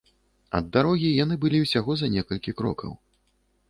Ад дарогі яны былі ўсяго за некалькі крокаў.